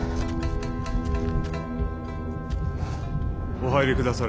お入りくだされ。